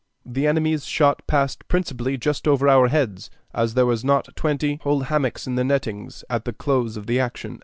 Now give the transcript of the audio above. The enemy's shot passed principally just over our heads, as there were not twenty whole hammocks in the nettings at the close of the action."